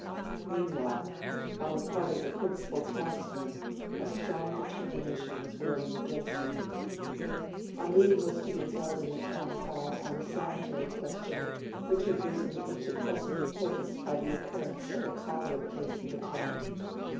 Meanwhile, on the part of the principal townsmen a strong determination was growing against him. A meeting was to be held in the Town Hall on a sanitary question which had risen into pressing importance by the occurrence of a cholera case in the town.